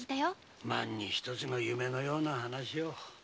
万に一つの夢のような話を。